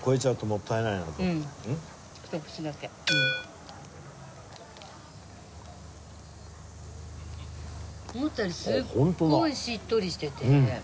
思ったよりすっごいしっとりしてて。